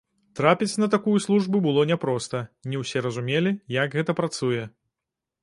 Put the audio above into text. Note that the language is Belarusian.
Трапіць на такую службу было няпроста, не ўсе разумелі, як гэта працуе.